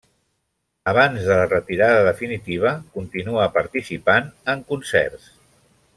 Abans de la retirada definitiva continua participant en concerts.